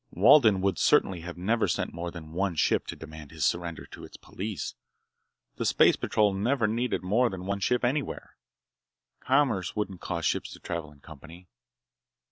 Walden would certainly have never sent more than one ship to demand his surrender to its police. The Space Patrol never needed more than one ship anywhere. Commerce wouldn't cause ships to travel in company.